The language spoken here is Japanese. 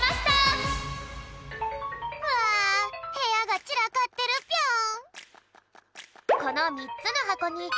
うわへやがちらかってるぴょん。